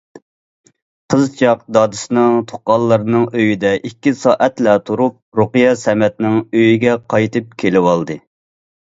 قىزچاق دادىسىنىڭ تۇغقانلىرىنىڭ ئۆيىدە ئىككى سائەتلا تۇرۇپ، رۇقىيە سەمەتنىڭ ئۆيىگە قايتىپ كېلىۋالدى.